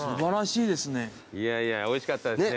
いやいやおいしかったですね。